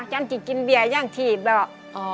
ฉันจะกินเบียยังถีบหรอก